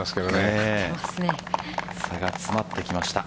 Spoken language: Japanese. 差が詰まってきました。